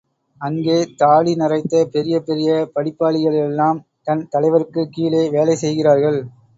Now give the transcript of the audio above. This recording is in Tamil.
அங்கே, தாடி நரைத்த பெரிய பெரிய படிப்பாளிகளிலெல்லாம் தன் தலைவருக்குக் கீழே வேலை செய்கிறார்கள்.